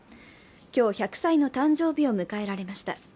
今日、１００歳の誕生日を迎えられました。